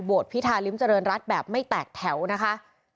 พิธาริมเจริญรัฐแบบไม่แตกแถวนะคะ